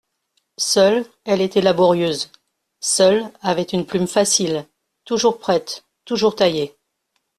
Seule elle était laborieuse, seule avait une plume facile, toujours prête, toujours taillée.